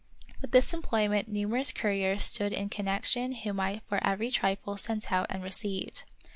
With this employment numerous couriers stood in connection whom I for every trifle sent out and received.